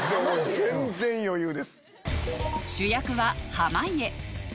全然余裕です！